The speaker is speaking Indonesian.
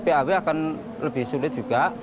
paw akan lebih sulit juga